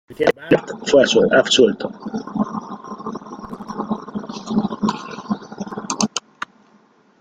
Más tarde, Moe recibe una llamadas telefónicas diciendo que Bart fue absuelto.